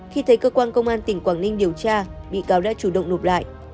khi thấy cơ quan công an tỉnh quảng ninh điều tra bị cáo đã chủ động nộp lại